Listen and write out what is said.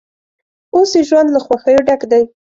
اوس یې ژوند له خوښیو ډک دی.